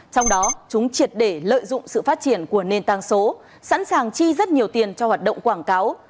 trong đó chúng triệt để lợi dụng sự phát triển của nền tăng số sẵn sàng chi rất nhiều tiền cho hoạt động quảng cáo